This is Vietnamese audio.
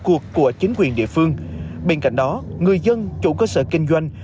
cuộc của chính quyền địa phương bên cạnh đó người dân chủ cơ sở kinh doanh